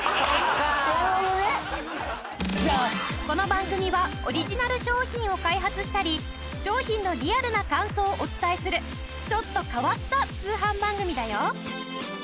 この番組はオリジナル商品を開発したり商品のリアルな感想をお伝えするちょっと変わった通販番組だよ。